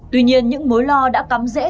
tuy nhiên những mối lo đã cắm dễ